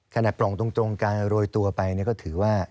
ปล่องตรงการโรยตัวไปก็ถือว่า